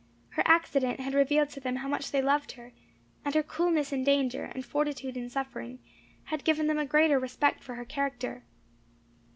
Her accident had revealed to them how much they loved her; and her coolness in danger, and fortitude in suffering, had given them a greater respect for her character.